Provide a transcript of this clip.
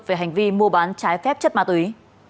về hành vi mua bán trái phép chất ma túy